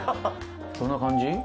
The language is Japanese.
どんな感じ？